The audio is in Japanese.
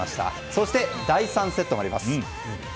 そして第３セットもあります。